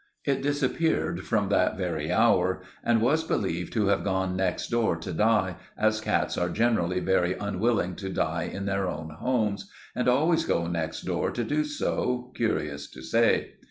It disappeared from that very hour, and was believed to have gone next door to die, as cats are generally very unwilling to die in their own homes, and always go next door to do so, curious to say.